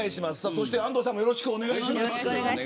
そして安藤さんもよろしくお願いします。